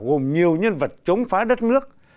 gồm nhiều nhân vật chống phá đất nước